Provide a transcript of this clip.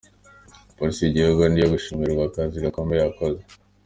Polisi y’igihugu ni iyo gushimirwa akazi gakomeye yakoze.